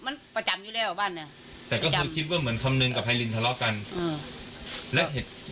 มันประจำอยู่แล้วบ้านเนี่ยแต่ก็คือคิดว่าเหมือนคำนึงกับไพรินทะเลาะกัน